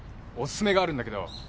お勧めがあるんだけど。